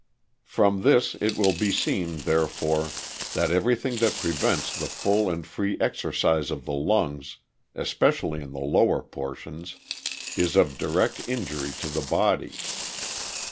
From this it will be seen, therefore, that everything that prevents the full and free exercise of the lungs, especially in the lower portions, is of direct injury to the body.